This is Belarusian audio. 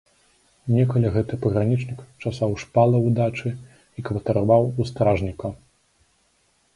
Некалі гэты пагранічнік часаў шпалы ў дачы і кватараваў у стражніка.